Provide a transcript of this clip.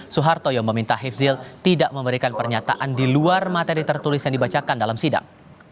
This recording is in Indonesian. soeharto yang meminta hifzil tidak memberikan pernyataan di luar materi tertulis yang dibacakan dalam sidang